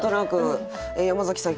山崎さん